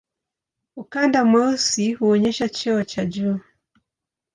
Ukanda mweusi huonyesha cheo cha juu.